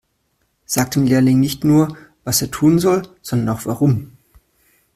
Sag dem Lehrling nicht nur, was er tun soll, sondern auch warum.